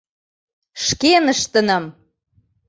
Шкеныштыным!